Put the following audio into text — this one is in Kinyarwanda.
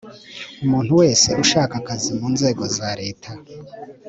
umuntu wese ushaka akazi mu nzego za leta